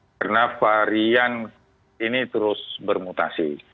karena varian ini terus bermutasi